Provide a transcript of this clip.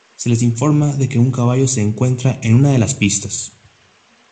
Se les informa de que un caballo se encuentra en una de las pistas.